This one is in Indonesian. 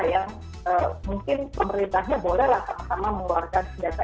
yang mungkin pemerintahnya bolehlah sama sama mengeluarkan senjata